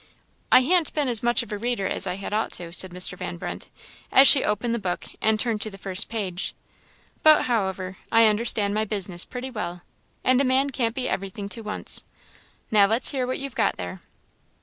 "I han't been as much of a reader as I had ought to," said Mr. Van Brunt, as she opened the book and turned to the first page; "but, however, I understand my business pretty well; and a man can't be everything to once. Now let's hear what you've got there."